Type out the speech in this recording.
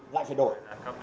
lại phải đổi